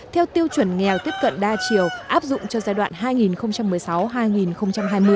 theo tiêu chuẩn nghèo tiếp cận đa chiều áp dụng cho giai đoạn hai nghìn một mươi sáu hai nghìn hai mươi